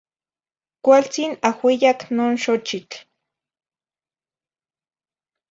Cualtzin ahuiyac non xochitl